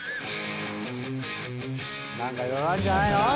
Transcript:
何かいろいろあんじゃないの？